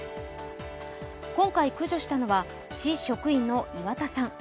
今回、駆除したのは市職員の岩田さん。